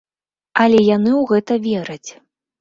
Але яны ў гэта вераць.